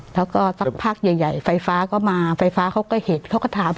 แล้วก็สักพักใหญ่ใหญ่ไฟฟ้าก็มาไฟฟ้าเขาก็เห็นเขาก็ถาม